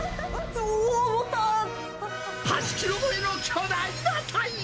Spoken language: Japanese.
うわっ、８キロ超えの巨大なタイ。